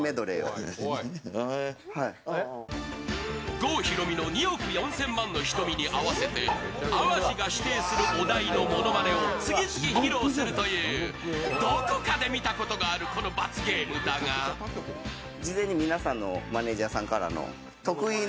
郷ひろみの「２億４千万の瞳」に合わせて、淡路が指定するお題のものまねを次々披露するという、どこかで見たことがあるこの罰ゲームだがハードルは低いと思います。